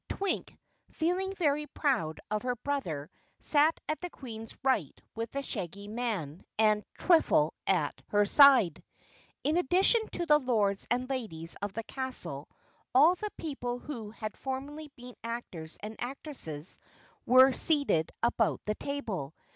Twink, feeling very proud of her brother, sat at the Queen's right with the Shaggy Man and Twiffle at her side. In addition to the Lords and Ladies of the castle, all the people who had formerly been actors and actresses were seated about the table.